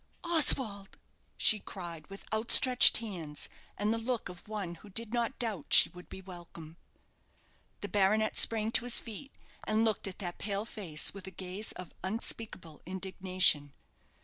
"Oswald," she cried, with outstretched hands, and the look of one who did not doubt she would be welcome. The baronet sprang to his feet, and looked at that pale face with a gaze of unspeakable indignation.